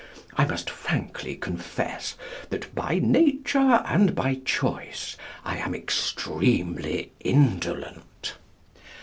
I must frankly confess that, by nature and by choice, I am extremely indolent.